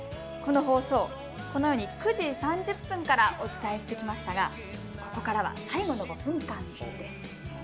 この放送、９時３０分からお伝えしてきましたがここからは最後の５分間です。